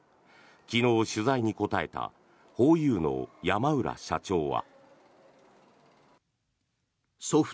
昨日、取材に答えたホーユーの山浦社長は。